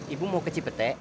ibu mau ke cipete